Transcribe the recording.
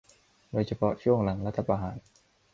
โดยเฉพาะช่วงหลังรัฐประหาร